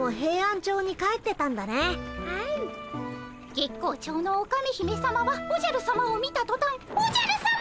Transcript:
月光町のオカメ姫さまはおじゃるさまを見たとたん「おじゃるさま！